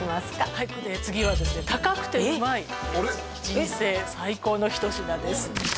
はい次はですね高くて旨い人生最高の一品です